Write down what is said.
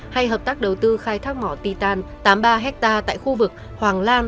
hay hợp tác đầu tư khai thác mỏ titan tám mươi ba hectare tại khu vực hoàng lan